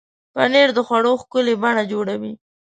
پنېر د خوړو ښکلې بڼه جوړوي.